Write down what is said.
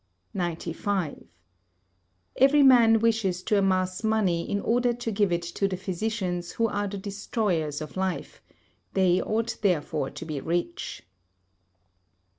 95. Every man wishes to amass money in order to give it to the physicians who are the destroyers of life; they ought therefore to be rich.